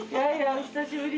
お久しぶりです。